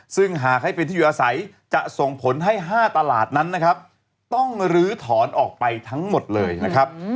ซึ่งหากให้เป็นที่อยู่อาศัยจะส่งผลให้๕ตลาดนั้นนะครับต้องลื้อถอนออกไปทั้งหมดเลยนะครับ